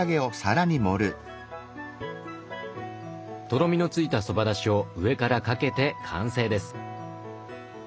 とろみのついたそばだしを上からかけて完成です。